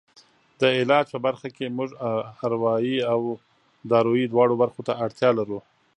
د علاج په برخه کې موږ اروایي او دارویي دواړو برخو ته اړتیا لرو.